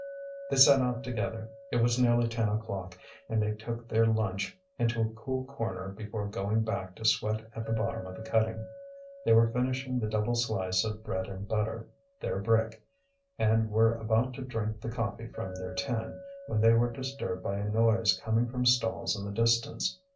They set out together. It was nearly ten o'clock, and they took their lunch into a cool corner before going back to sweat at the bottom of the cutting. They were finishing the double slice of bread and butter, their brick, and were about to drink the coffee from their tin, when they were disturbed by a noise coming from stalls in the distance.